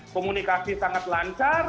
komunikasi sangat lancar